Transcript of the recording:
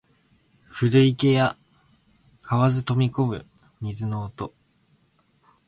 古池や蛙飛び込む水の音